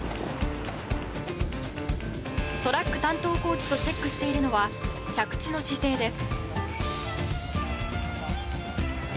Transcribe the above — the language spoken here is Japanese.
トラック担当コーチとチェックしているのは着地の姿勢です。